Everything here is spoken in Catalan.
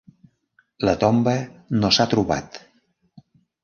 La tomba no s'ha trobat.